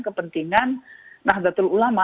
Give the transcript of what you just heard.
kepentingan nahdlatul ulama